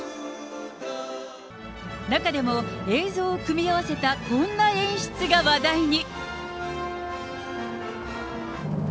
中でも、映像を組み合わせたこんな演出が話題に。